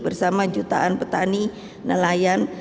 bersama jutaan petani nelayan